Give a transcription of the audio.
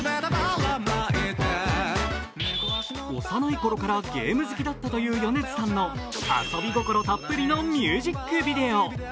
幼いころからゲーム好きだったという米津さんの遊び心たっぷりのミュージックビデオ。